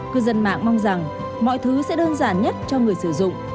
cư dân mạng mong rằng mọi thứ sẽ đơn giản nhất cho người sử dụng